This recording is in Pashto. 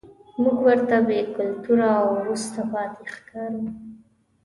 موږ ورته بې کلتوره او وروسته پاتې ښکارو.